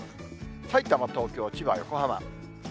さいたま、東京、千葉、横浜。